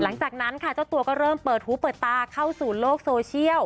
หลังจากนั้นค่ะเจ้าตัวก็เริ่มเปิดหูเปิดตาเข้าสู่โลกโซเชียล